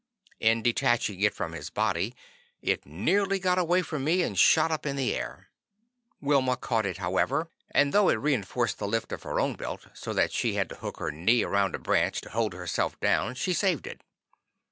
In detaching it from his body, it nearly got away from me and shot up in the air. Wilma caught it, however, and though it reinforced the lift of her own belt so that she had to hook her knee around a branch to hold herself down, she saved it.